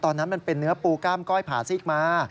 ตอนนั้นมันเป็นเนื้อปูก้ามก้อยผาซีกมา